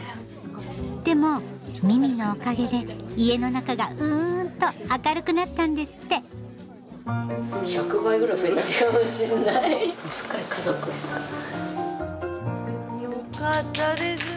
でもミミのおかげで家の中がうんと明るくなったんですってよかったですね